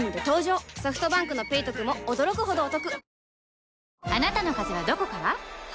ソフトバンクの「ペイトク」も驚くほどおトク